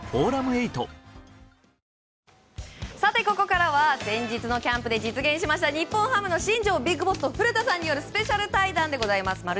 ここからは先日のキャンプで実現しました日本ハムの新庄ビッグボスと古田さんによるスペシャル対談でございます。